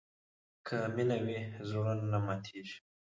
که مینه وي، زړونه نه ماتېږي.